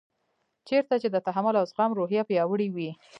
چېرته چې د تحمل او زغم روحیه پیاوړې وي.